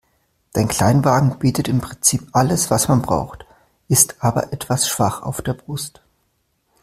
Dein Kleinwagen bietet im Prinzip alles, was man braucht, ist aber etwas schwach auf der Brust.